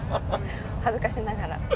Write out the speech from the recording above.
恥ずかしながら。